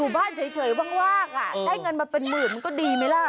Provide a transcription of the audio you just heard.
บ้านเฉยว่างได้เงินมาเป็นหมื่นมันก็ดีไหมล่ะ